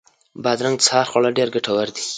بادرنګ د سهار خوړل ډېر ګټور دي.